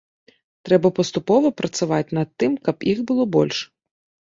Трэба паступова працаваць над тым, каб іх было больш.